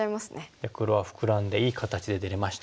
じゃあ黒はフクラんでいい形で出れました。